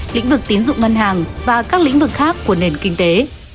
lĩnh vực tín dụng ngân hàng và các lĩnh vực khác của nền kinh tế